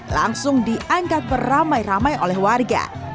langsung diangkat beramai ramai oleh warga